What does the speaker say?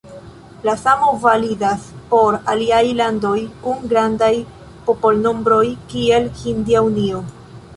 La samo validas por aliaj landoj kun grandaj popolnombroj kiel Hindia Unio.